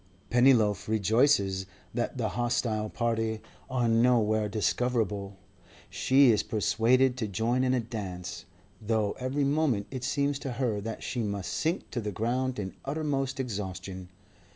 Pennyloaf rejoices that the hostile party are nowhere discoverable. She is persuaded to join in a dance, though every moment it seems to her that she must sink to the ground in uttermost exhaustion.